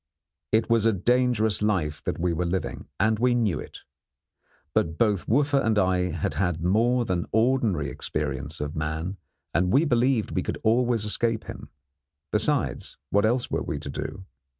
It was a dangerous life that we were living, and we knew it; but both Wooffa and I had had more than ordinary experience of man, and we believed we could always escape him. Besides, what else were we to do?